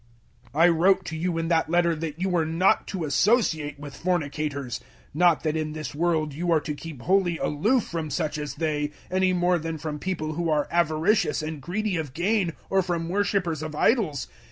005:009 I wrote to you in that letter that you were not to associate with fornicators; 005:010 not that in this world you are to keep wholly aloof from such as they, any more than from people who are avaricious and greedy of gain, or from worshippers of idols.